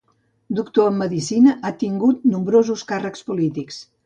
Doctor en medecina, ha detingut nombrosos càrrecs polítics.